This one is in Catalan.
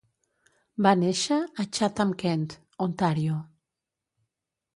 Va néixer a Chatham-Kent (Ontàrio).